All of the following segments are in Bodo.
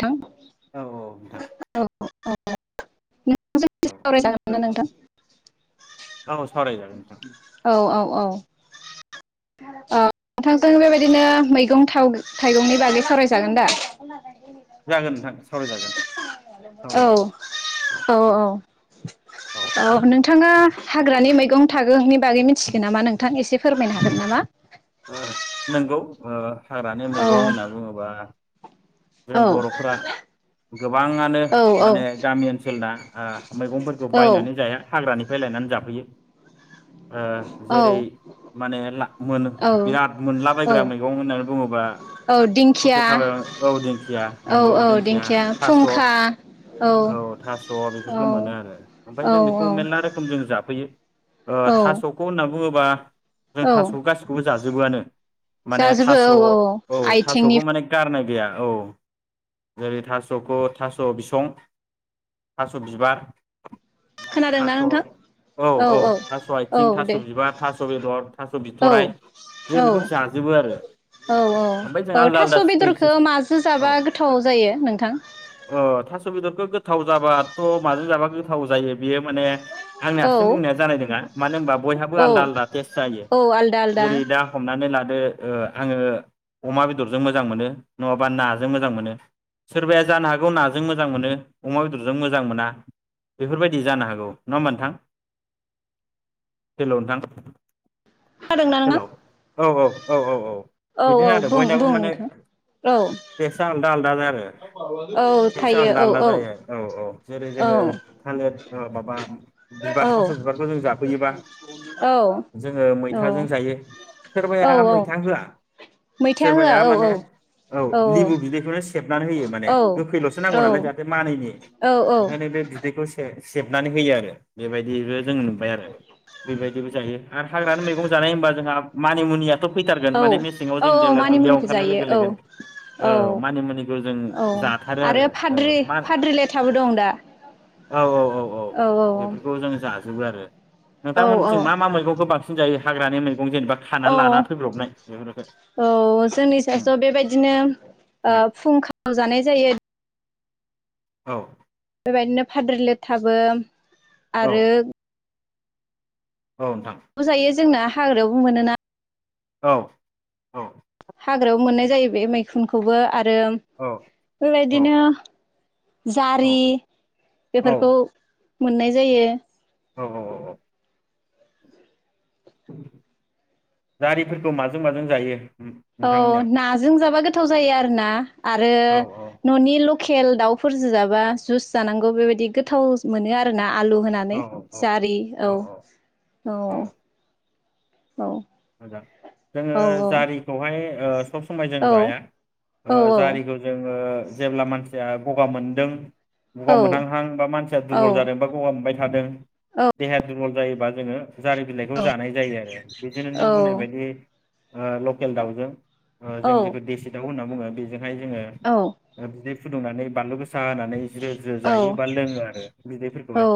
नोंथां औ औ नोंथां। [unintelligible] [unintelligible] [unintelligible] सावरायजागोन ना नोंथां? सावराय जागोन नोंथां। औ औ औ। ओ नोंथांजों बेबायदिनो मैगं थाइगंनि बागै सावरायजागोन दा? जागोन नोंथां सावरायजागोन, औ सावरायजागोन औ औ औ। हाग्रानि मैगं थाइगंनि बागै मिथिगोन नामा नोंथां एसे फोरमायनो हागोन नामा? ओ नोंगौ ओ। हाग्रानि औ मैगं होनना बुङोबा। जों औ बर'फोरा गोबाङानो औ माने गामि ओनसोलना ओ मैगंफोरखौ औ बायनानै जाया हाग्रानि। फाय लायनानै जाफैयो। ओ औ जेरै माने मोन बिराद औ औ मोनलाबायग्रा मैगं होननानै बुङोबा औ ससे दिंखिया थाबाय औ दिंखिया औ नोंगौ औ दिंखिया थास' औ फुंखा औ थास' औ बेफोरखौ मोनो आरो ओमफ्राय औ जों बेखौ मेरला रोखोम जों जा फैयो। ओ औ थास'खौ होनना बुङोबा। जों औ थास' गासिखौबो जाजोबोआनो माने जाजोबो थास' औ औ औ आथिंनि थास'खौ माने गारनाय। गैया औ जेरै थास'खौ थास' बिसं थास' बिबार। खोनादोंना थास' नोंथां औ औ थास' औ आथिं थास' दे बिबार थास' बेदर थास' औ बिथ'राय औ जों बेखौ जाजोबो आरो औ औ ओमफ्राय जों औ आलदा थास' आलदा बेदरखौ सिट माजो औ जाबा गोथाव जायो नोंथां औ थास' बेदरखौ गोथाव जाबाथ' माजों जाबा गोथाव जायो बेयो माने आंनि औ हारसिं बुंनाया जानाय नङा मानो होनबा बयहाबो औ आलदा आलदा टेस्ट जायो औ आलदा आलदा जेरै दा हमनानै लादो ओ ओ आङो अमा बेदरजों मोजां मोनो। नङाबा नाजों मोजां मोनो सोरबाया जानो हागौ नाजों मोजां मोनो अमा बेदरजों मोजां मोना बेफोर बायदि जानो हागौ नङा होमबा नोंथां हेल' नोंथां? हेल' नोंथां हेल' औ औ औ औ औ औ बिदिनो औ आरो बुं बयनाबो बुं माने नोंथां औ टेस्टसा [inaudible] आलदा जा औ टेस्टसा थायो आलदा औ आलदा जायो औ औ जेरै औ जोङो थालोर ओ माबा बिबार थास' बिबारखौ जों जाफैयोबा औ जोङो मैथाजों जायो। औ सोरबाया औ मैथा होआ मैथा होआ सोरबाया औ माने औ लेबु बिदैखौनो सेबनानै होयो माने गोखैल'सो औ औ नांगौ नालाय जाहाथे मानैैनि औ ओंखायनो बे बिदैखौ से सेबनानै होयो आरो। बेबायदिबो जों नुबाय आरो बेबायदिबो जायो आरो हाग्रानि मैगं जानाय होनबा जोंहा मानिमुनिया थ' फैथारगोन औ माने मेसेङाव औ जेब्ला दुब्लियाव मानिमुनिखौ ओंखारनाय जायो लोगो लोगोनो औ औ मानिमुनिखौ जों औ जाथारो आरो औ फाद्रि मा फाद्रिलेथाबो दं दा। औ औ औ औ बेफोरखौ जों जा जोबो आरो नोंथांमोनजों औ मा मा मैगं बां सिन जायो हाग्रानि मै गं जेनेबा औ खानानै लाना फैब्रबनाय बेफोरखौ उम बिदिनो ओ उम फुंखा जानाय जायो। औ। बेबायदिनो फाद्रि लेथाबो औ आरो औ नोंथां नजायो जोंना हाग्रायावबो मोनोना औ औ। हाग्रायावबो मोननाय जायो बे मैखुनखौबो आ आरो औ औ बेबायदिनो औ जारि औ बेफोरखौ मोननाय जायो। औ औ औ औ। जारिफोरखौ माजों माजों जायो? औ नोंथांमोननियाव नाजों जाबा गोथाव जायो आरोना आरो औ न'नि लक केल दाउफोरजो जाबा जुइस जानांगौ बेबायदि गोथाव मोनो आरोना। आलु औ होनानै औ जारि औ औ। औ मोजां जोङो औ जारिखौहाय ओ सब समाय जों औ जाया औ ओ जारिखौ जोङो जेब्ला मानसि या गगा मोनदों औ गगा मोनहांहां बा मानसिया औ दुरबल जादों बा गगा मोनबाय थादों देहाया दुरबल जायोबा जोङो जारि बिलाइखौ जानाय जायो आरो बे औ औ नों बुंनाय बायदि ओ लकेल दाउजों जों औ जेखौ देसि दाउ होनां बुङो बेजों [unintelligible] फुदुंनानै बानलु गो गोसा होनानै ज्रो ज्रो जायो औ बा लोङो आरो बिदैफोरखौहाय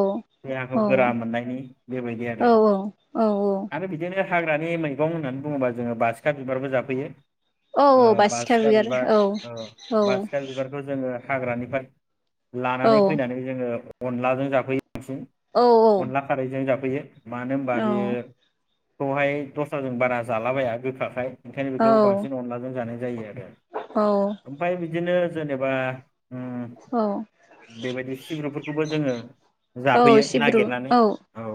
देहाखौ गोरा मोननायनि बेबायदि औ आरो औ आरो बिदिनो हाग्रानि मैगं होननानै बुङोबा जोङो बासिखा बिबारबो जाफैयो। औ औ बासिखा बिबार औ औ। बासिखा बिबारखौ जोङो हाग्रानिफ्राय औ लानानै फैनानै जोङो अनलाजों जाफैयो। बांसिन औ अनला खारैजों जाब फैयो मानो होनबा बेयो खौहाय दस्राजों बारा जालाबाया गोखाखाय ओंखायनो बेखौ बांसिन अनलाजों जानाय जायो आरो औ ओमफ्राय बिदिनो जेनेबा ओ औ औ बेबायदि सिब्रुफोरखौबो जोङो औ जाफैयो सिब्रु नागिरनानै औ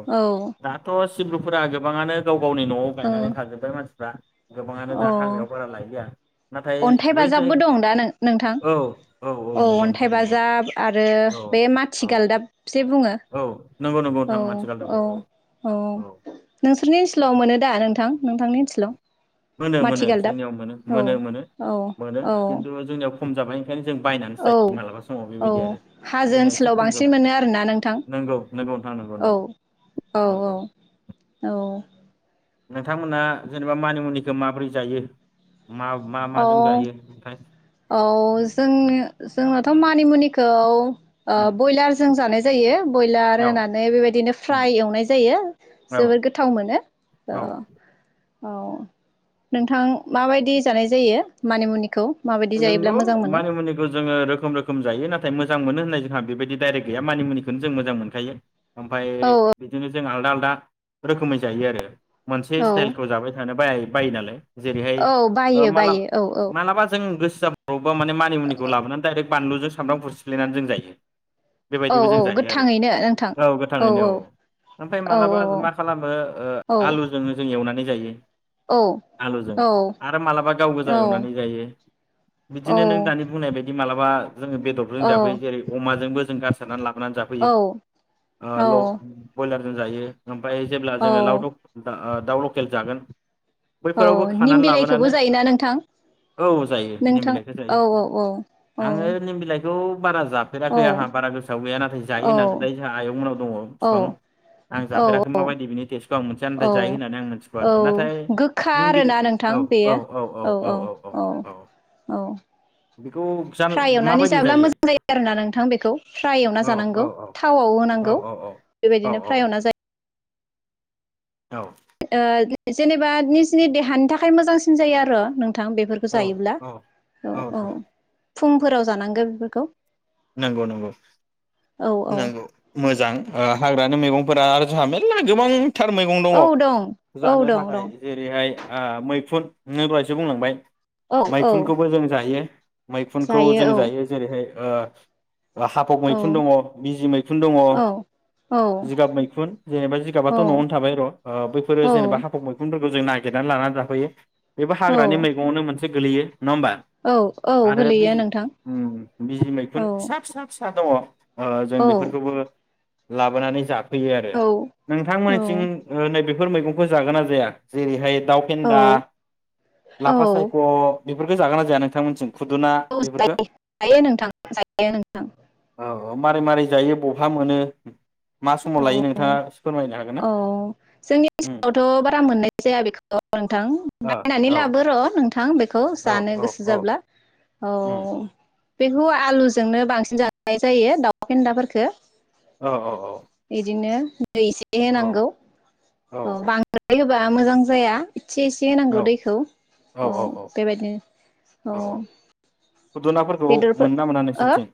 दाथ' सिब्रुफोरा गोबाङानो गाव गावनि न'आव औ गायनानै थाजोब्बाय मानसिफ्रा गोबाङानो दा औ हाग्रायाव बारा लायलिया नाथाय अन्थाइ बै जाय बाजाबबो दं दा नों नोंथां औ औ नंगौ अन्थाइ नोंथां नंगौ बाजाब आरो औ बे औ माथि गालदाब जे बुङो औ नंगौ नंगौ औ नोंथां माथिगालदाब औ औ नोंसो नोंसिनि ओनसोलाव मोनो दा नोंथां? नोंथांनि ओनसोलाव मोनो मोनो माथिगालदाब जोंनियाव मोनो औ मोनो मोनो। औ मोनो औ खिनथु जोंनियाव खम जाबाय। ओंखायनो जों बायनानैसो औ जायो मालाबा समाव औ बेबायदि आरो हाजो जोंनिया एसे ओनसोलाव खम बांसिन जाबाय मोनो आरोना नोंथां नंगौ नंगौ नोंथां नंगौ औ नंगौ औ नंगौ। औ नोंथांमोना जेनेबा मानिमुनिखौ माबोरै जायो? मा मा औ माजों जायो ओमफ्राय औ उम उम जोंनो जोङो थ' मानिमुनिखौ ओ उम बयलार जों जानाय जायो। बयलार औ होनानै बेबायदिनो फ्राय उम एवनाय जायो औ जोबोर गोथाव मोनो औ अ। औ नोंथां माबायदि जानाय जायो मानिमुनिखौ? माबायदि जायोब्ला नोंगौ मोजां मोनो? मानि मुनिखौ जोङो रोखोम रोखोम जायो नाथाय मोजां मोनो होन नाय जोंहा बेबायदि डाइरेक्ट गैया मानि मुनिखौनो जों मोजां मोनखायो। ओमफाय औ औ बिदिनो जों आलदा आल ना रोखोमै जायो आरो। मोनसे औ स्टाइलखौ जाबाय थानो बायो। बायो नालाय जेरैहाय औ बायो बायो औ औ ओं गोसो [unintelligible] माने मानिमुनिखौ लाबोना दाइरेक बानलुजों सामब्राम गुफुर सिफ्लेना जों जायो। औ बेबायदिबो जों औ जायो आरो गोथाङैनो नोंथां औ गोथाङैनो औ ओमफ्राय औ मालाबा मा खालामो ओ औ आलुजोंबो जों एवनानै जायो। औ आलुजों औ आरो मालाबा गाव गोजा एवनानै जायो। बिदिनो नों औ दानि बुंनाय बाय दि मालाबा जोङो बेदरजों जाफैयो जेरै अमाजोंबो [unintelligible] औ [unintelligible] ओ ल-बयलार जों जायो। ओमफ्राय जेब्ला औ जोङो [unintelligible] ओ दाउ लकेल जागोन। औ बैफोरावबो निम खानानै बिलाइखौबो लाबोनानै जायोना नोंथां? औ जायो निम नोंथां बिलाइखौ औ औ औ औ। खौ बारा औ जाफेराखै आंहा बारा गोसोआव गैया नाथाय जायो औ होननानै खोथायो जोंहा आयं मोननाव दङ बिफां आं औ जाफेराखै माबायदि बिनि टेस्टखौ आं मिथिया नाथाय जायो औ होननानै आं मिथिगौ औ आरो नाथाय गोखा निम बिल आरोना नोंथां औ औ बेयो औ औ औ औ औ। औ बेखौ जान फ्राय एवनानै माबायदि जाब्ला मोजां जायो आरो ना नोंथां बेखौ फ्राय एवना औ औ जानांगौ थावआव औ होनांगौ बेबायदिनो फ्राय एवना जायो। ओ जेनेबा निजिनि देहानि थाखाय मोजांसिन जायो आरो नों नोंथां बेफोरखौ औ जायोब्ला औ औ। फुंफोराव जानांगौ बेफोरखौ। नोंगौ नोंगौ औ औ नोंगौ मोजां। ओ हाग्रानि मैगंफोरा आरो जोंहा मेरला गोबां थार मैगं दङ औ दं औ जानो दं थाखाय दं जेरैहाय ओ मैखुन [unintelligible] बुंलांबाय। औ औ मैखुनखौबो जों जायो मैखुनखौ जों जायो जेरैहाय ओ राफाक औ मैखुन दङ बिजि मैखुन दङ औ जिगाब मैखुन जेनेबा जिगाबाथ' न'आवनो थाबाय र' ओ बैफोरो जेनेबा औ हाफक मैखुनफोर खौ जों नागिरनानै लानानै जाफैयो। बेबो हाग्रानि औ मैगङावनो मोनसे गोेलैयो नङा होमबा औ औ आरो बि गोलैयो नोंथां उम बिजि मैखुन औ फिसा फिसा दङ। ओ जों औ बेफोरखौबो लाबोनानै जा फैयो आरो औ ओ औ नोंथांमोननिथिं नैबे बेफोर मैगंखौ जागोन ना जाया जेरैहाय दाउ फेन्दा औ लाफा सायख' बेफोरखौ जागोना जाया नोंथांमोननिथिं? औ जायो जायो नोंथां जायो जायो नोंथां औ मारै मारै जायो बहा मोनो मा समाव लायो औ नोंथाङा एसे फोरमायनो हागोन ना औ जोंनि उम ओनसोलावथ' बारा मोननाय जाया बेखौ नोंथां ओ बायनानै औ लाबो र' नोंथां बे खौ औ जानो औ गोसो औ जाब्ला औ उम बेखौ आलुजोंनो बांसिन जानाय जायो दाउफेन्दाफोरखौ औ औ बिदिनो दैै एसे ए औ होनांगौ औ बांद्राय होबा मोजां जाया एसे एसे होनांगौ दैखौ औ बेबायदिनो औ खुदुनाफोरखौ बेदरफोर मोनो ना मोना हो नोंसोरनिथिं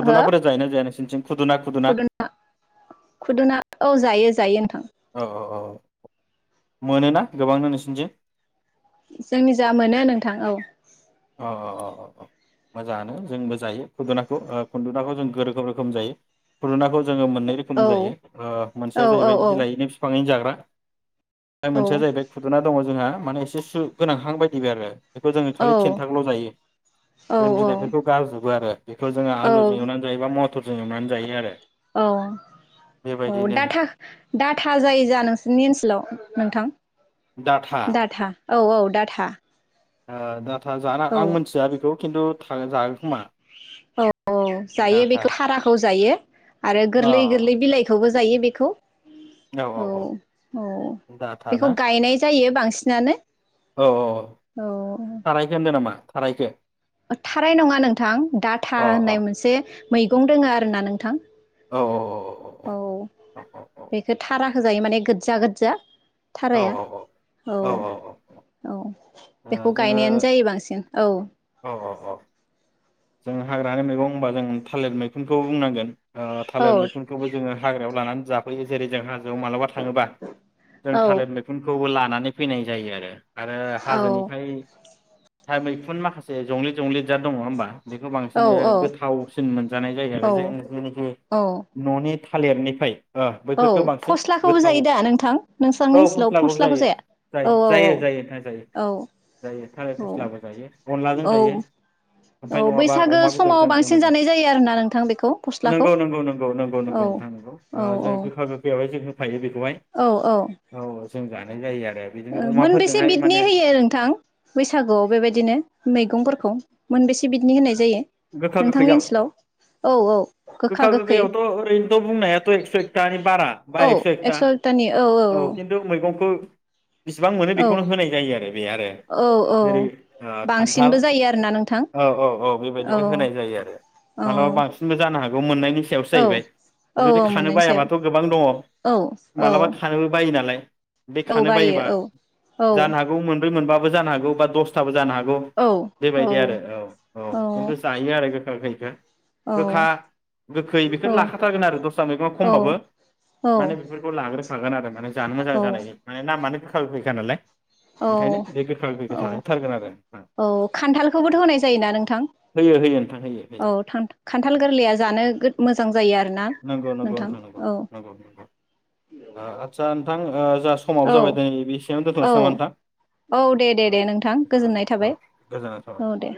खुदुनाफोर जायोना जा या नोंसिनिथिं खुदुना खुदुना औ जायो जायो नोंथां औ औ औ मोनोना गोबांनो नोंसिनिथिं जोंनि जा मोनो नोंथां औ अ अ अ अ मोजाङानो जोंबो जायो खुदुनाखौ खुन्दुनाखौ जों रोखोम रोखोम जायो खुन्दुनाखौ जोङो मोननै रोखोमनि औ जायो ओ औ मोनसेया औ जाहैबाय औ बिलाइैनो बिफाङैनो जाग्रा ओमफ्राय औ मोनसेया जाहैबाय खुदुना दङ जोंहा माने एसे सु गोनांहां बायदि आरो बेखौ जोङो औ खालि खेन्थांल' जायो जों बिलाइफोरखौ गारजोबो आरो बेखौ जोङो औ आलुजों एवनानै जायो बा मथरजों एवनानै जायो आरो औ औ बेबायदिनो डा डाटा जायो जा नोंसोरनि ओनसोलाव नोंथां दाथा डाटा औ औ दाथा आ दा था जानो आं मिथिया बेखौ खिन्थु थ जागोन खोमा औ औ जायो डाटा बेखौ थाराखौ जायो आरो अ गोरलै औ गोरलै बिलाइखौबो जायो बेखौ औ औ डाटा ना बेखौ गायनाय जायो बांसिन बिसिनानो औ औ औ थारायखौ होन्दो नामा? थारायखो थाराय नङा नोंथां दाथा अ होननाय मोनसे मैगं दोङो आरो ना नोंथां। औ औ औ बेखौ थाराखौ जायो माने गोदजा गोदजा औ थाराया औ औ औ बेखौ जोङो गायनायानो जायो बांसिन। औ औ औ औ जों हाग्रानि मैगं होनबा जों थालिर मैगंखौ बुंनांगोन। औ थालिर मैखुनखौबो जोङो हाग्रायाव लानानै जाफैयो जेरै जोंहा मालाबा थाङोबा जों औ थालिरर मैखुनखौबो लानानै फैनाय जायो आरो आरो औ हाजोनिफ्राय दा मैखुन माखासे जंलि जंलि जा दङ होनोबा बेखौ बांसिन गोथावसिन मोनजानाय जायग औ आरो जों जेनोखि औ न'नि थालिरनिफ्राय ओ औ बैफोरफोरखौ बांसिन फस्लाखौबो गोथाव जायो दा नोंथां नोंसांनि औ ओनसोलाव फस्लाबो फस्लाखौ जायो जाया औ जायो जायो औ जायो नोंथां जायो जायो थालिर औ फस्लाबो जायो। अनलाजों औ औ जायो। ओमफाय औ नङाबा बैसागो अमा समाव बेदरजों अनु बांसिन जों जानाय जायो आरोना नोंथां बेखौ फस्लाखौ नंगौ नंगौ नंगौ नंगौ औ नंगौ नोंथां नंगौ औ जा गोखा गोखैयावहाय जों होफायो। बेखौहाय औ जों जा नाय आरो बिदिनो ओ मोनबेसे अमाफोरजोंहाय बिदनि माने होयो नोंथां बैसागुआव बेबायदिनो मैगंफोरखौ मोनबेसे बिदनि होनाय जायो गोखा नोंथांनि गोखैयाव ओनसोलाव औ औ गोखा गोखै गोखैयावथ' ओरैनोथ' बुंनायाथ' एकस' एकथानि बारा बा एकस' एकथा औ खिन्थु मैगंखौ [unintelligible] बिसिबां मोनो बेखौनो औ होनाय जायो आरो। बे आरो औ औ जेरै ओ खान्थाल बांसिनबो जायो आरोना नोंथां औ औ औ बेबायदि गो होनाय जायो आरो औ मालाबा बांसिनबो जानो हाग गौ मोननाय नि सायावसो औ जाहैबाय औ जुदि औ खानो मोननायनि सायाव बायाबाथ' गोबां दङ। औ औ मालाबा खानोबो बायो नालाय। बे औ खानो बायो बायोबा औ जानो औ हागौ मोन बै मोनबाबो जानो हागौ बा दसथाबो जानो हाग गौ औ बेबायदि आरो औ औ खिनथु जायो आरो गोख खा गैखा गोखा गोखै बेफोर लाखाथारगोन आरो दस्रा मैगं औ खमबाबो माने औ बेफोरखौ लाग्रोखागोन आरो माने जानो मोजां जानायनि माने नामानो गोख खा गोखैखा नालाय। औ ओंखायनो बे गोखा गोखैखौ औ थाखाथारगोन आरो औ खान्थालखौबोथ' होनाय जायोना नोंथां? होयो होयो नोंथां होयो औ होयो खान्थाल होयो गोरलैया जानो मोजां जायो आरोना नंगौ नंगौ नोंथां नोंथा नंगौ औ नंगौ नंगौ आदसा नोंथां ओ ज जा समावाबो औ जाबाय दियो बेसेयावनो दोन्थ'नोसै नामा औ औ दे दे दे नोंथां गोजोननाय थाबाय नोंथां? औ दे